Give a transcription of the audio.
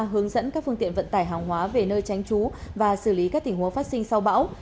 hướng dẫn các phương tiện vận tải hàng hóa về nơi tránh trú và xử lý các tình huống phát sinh sau bão